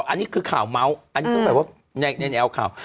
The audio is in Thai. อันนี้คือข่าวเมาส์อันนี้เพิ่งแบบว่าในแนวข่าว